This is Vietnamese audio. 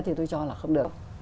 thì tôi cho là không được